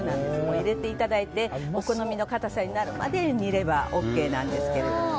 入れていただいてお好みの硬さになるまで煮ればＯＫです。